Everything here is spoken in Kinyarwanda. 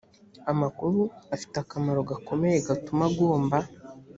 amakuru afite akamaro gakomeye gatuma agomba